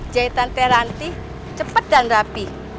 jahitan teh ranti cepat dan rapi